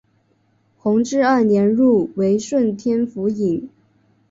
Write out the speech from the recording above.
弘治二年入为顺天府尹。